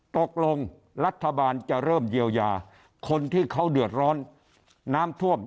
ตกลงรัฐบาลจะเริ่มเยียวยาคนที่เขาเดือดร้อนน้ำท่วม